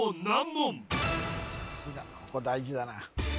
さすがここ大事だな